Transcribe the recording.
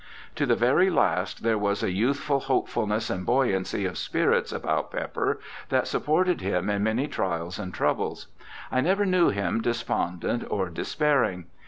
To the very last there was a youthful hope fulness and buoyancy of spirits about Pepper that supported him in many trials and troubles. I never knew him despondent or despairing.